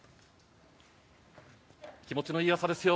気持ちのいい朝ですよ。